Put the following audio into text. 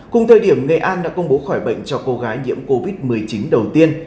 cùng thời điểm nghệ an đã công bố khỏi bệnh cho cô gái nhiễm covid một mươi chín đầu tiên